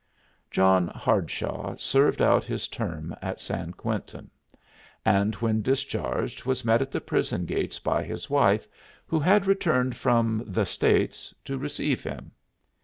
John Hardshaw served out his term at San Quentin, and when discharged was met at the prison gates by his wife, who had returned from "the States" to receive him.